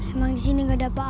emang disini gak ada apa apa deh